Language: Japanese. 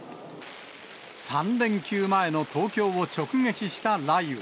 ３連休前の東京を直撃した雷雨。